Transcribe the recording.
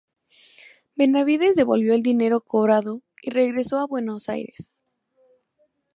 Benavídez devolvió el dinero cobrado y regresó a Buenos Aires.